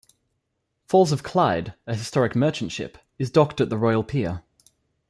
"Falls of Clyde", a historic merchant ship, is docked at the royal pier.